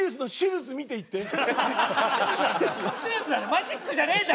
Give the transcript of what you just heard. マジックじゃねえんだ？